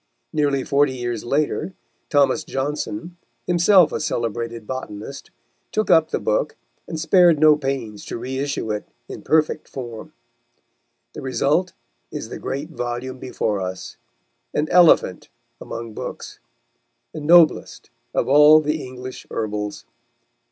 Nearly forty years later, Thomas Johnson, himself a celebrated botanist, took up the book, and spared no pains to reissue it in perfect form. The result is the great volume before us, an elephant among books, the noblest of all the English Herbals.